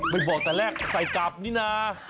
บอกแต่แรกใส่กลับนี่นะ